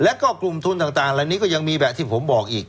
แล้วก็กลุ่มทุนต่างเหล่านี้ก็ยังมีแบบที่ผมบอกอีก